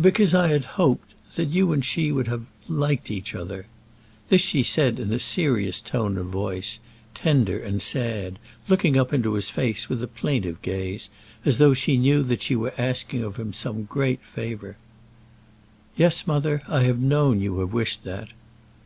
"Because I had hoped that you and she would have liked each other." This she said in a serious tone of voice, tender and sad, looking up into his face with a plaintive gaze, as though she knew that she were asking of him some great favour. "Yes, mother, I have known that you have wished that."